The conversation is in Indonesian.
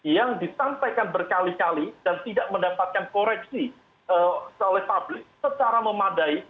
yang disampaikan berkali kali dan tidak mendapatkan koreksi oleh publik secara memadai